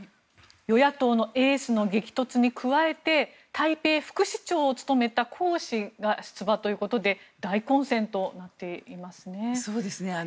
与野党のエースの激突に加えて台北副市長を務めたコウ氏が出馬ということで大混戦となっていますね。